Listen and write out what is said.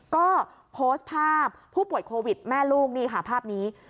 ก็โพสต์ภาพผู้ป่วยโควิดแม่ลูกนี่ค่ะภาพนี้